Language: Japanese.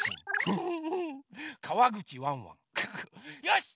よし！